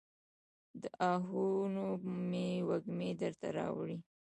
د آهونو مې وږمې درته راوړي